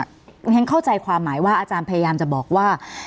เพราะฉะนั้นเข้าใจความหมายว่าอาจารย์พยายามจะบอกว่า